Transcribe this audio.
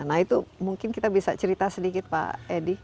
nah itu mungkin kita bisa cerita sedikit pak edi